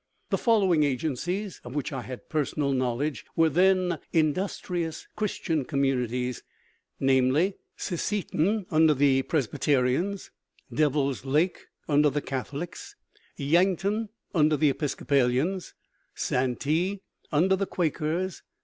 The following agencies of which I had personal knowledge were then industrious Christian communities: namely, Sisseton under the Presbyterians, Devil's Lake under the Catholics, Yankton under the Episcopalians, Santee under the Quakers.